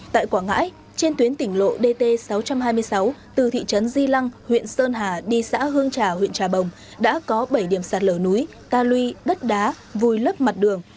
tại quảng ngãi trên tuyến tỉnh lộ dt sáu trăm hai mươi sáu từ thị trấn di lăng huyện sơn hà đi xã hương trà huyện trà bồng đã có bảy điểm sạt lở núi ta lui đất đá vùi lấp mặt đường